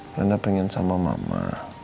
karena pengen sama mama